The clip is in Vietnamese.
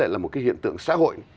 là một cái hiện tượng xã hội